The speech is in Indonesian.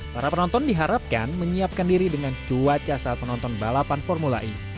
para penonton diharapkan menyiapkan diri dengan cuaca saat penonton balapan formula e